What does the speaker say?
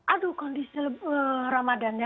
aduh kondisi ramadhan ya